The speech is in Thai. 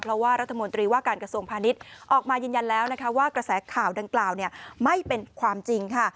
เพราะว่ารัฐมนตรีว่าการกระทรวงพาณิชย์ออกมายืนยันแล้วนะคะว่ากระแสข่าวดังกล่าวไม่เป็นความจริงค่ะ